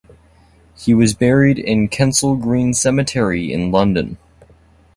He was buried in Kensal Green Cemetery in London.